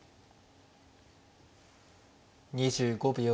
２５秒。